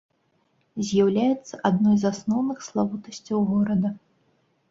З'яўляецца адной з асноўных славутасцяў горада.